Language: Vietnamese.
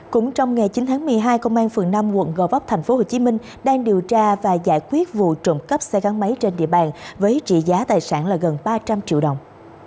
cũng trong ngày chín tháng một mươi hai công an phường nam quận gò vấp thành phố hồ chí minh đang điều tra và giải quyết vụ trộm cấp xe găng máy trên địa bàn với trị giá tài sản gần ba trăm linh triệu đồng